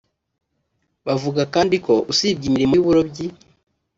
Bavuga kandi ko usibye imirimo y’uburobyi